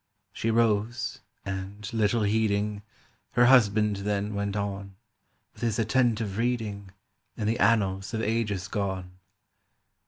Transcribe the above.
She rose, and, little heeding, Her husband then went on With his attentive reading In the annals of ages gone.